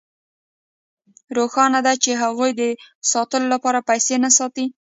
روښانه ده چې هغوی د ساتلو لپاره پیسې نه ساتي